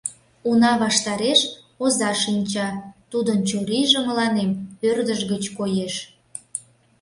Уна ваштареш оза шинча, тудын чурийже мыланем ӧрдыж гыч коеш.